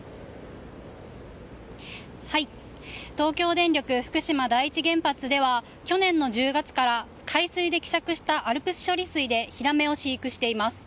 東京電力福島第一原発では去年１１月から海水で希釈したＡＬＰＳ処理水でヒラメを飼育しています。